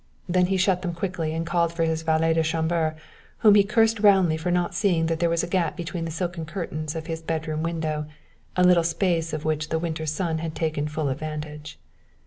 Then he shut them quickly and called for his valet de chambre, whom he cursed roundly for not seeing that there was a gap between the silken curtains of his bedroom window, a little space of which the winter sun had taken full advantage.